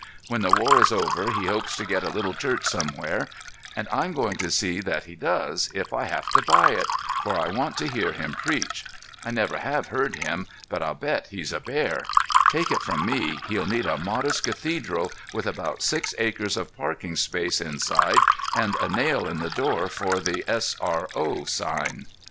When the war is over he hopes to get a little church somewhere, and I'm going to see that he does, if I have to buy it, for I want to hear him preach. I never have heard him, but I'll bet he's a bear. Take it from me, he'll need a modest cathedral with about six acres of parking space inside and a nail in the door for the S. R. O. sign.